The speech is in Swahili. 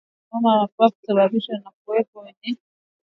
Homa ya mapafu husababishwa na kuwepo kwa wanyama wenye maambukizi